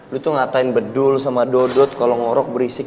lo tuh ngatain bedul sama dodot kalo norok berisik